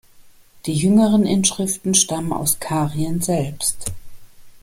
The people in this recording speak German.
Die jüngeren Inschriften stammen aus Karien selbst.